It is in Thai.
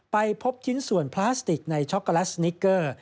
ไปพบชิ้นส่วนพลาสติกในช็อกโกแลตสนิกเกอร์